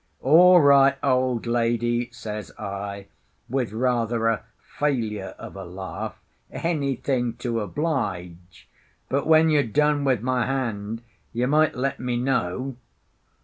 "All right, old lady," says I, with rather a failure of a laugh, "anything to oblige. But when you're done with my hand, you might let me know."